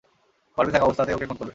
গর্ভে থাকা অবস্থাতেই ওকে খুন করবে!